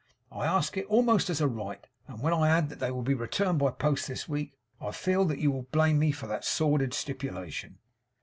I ask it, almost as a right. And when I add that they will be returned by post, this week, I feel that you will blame me for that sordid stipulation.